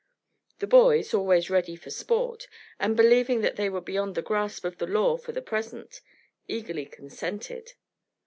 The boys, always ready for sport, and believing that they were beyond the grasp of the law for the present, eagerly consented.